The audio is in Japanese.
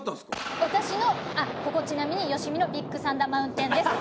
私のあっここちなみに吉見のビッグサンダー・マウンテンです。